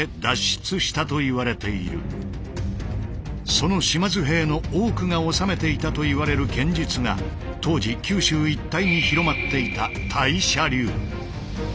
その島津兵の多くが修めていたといわれる剣術が当時九州一帯に広まっていたタイ捨流。